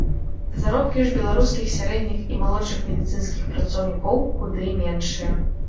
Заробкі ж беларускіх сярэдніх і малодшых медыцынскіх працаўнікоў куды меншыя.